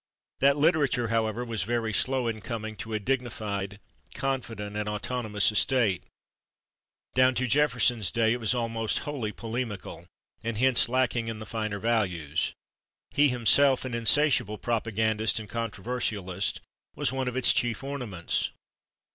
That literature, however, was very slow in coming to a dignified, confident and autonomous estate. Down to Jefferson's day it was almost wholly polemical, and hence lacking in the finer values; he himself, an insatiable propagandist and controversialist, was one of its chief ornaments.